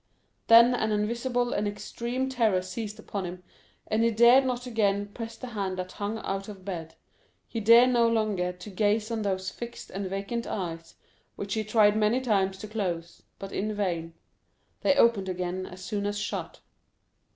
Then an invincible and extreme terror seized upon him, and he dared not again press the hand that hung out of bed, he dared no longer to gaze on those fixed and vacant eyes, which he tried many times to close, but in vain—they opened again as soon as shut.